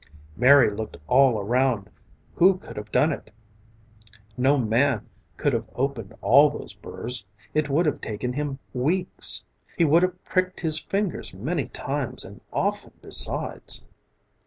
Mary looked all around, who could have done it? No man could have opened all those burrs, it would have taken him weeks. He would have pricked his fingers many times and often besides.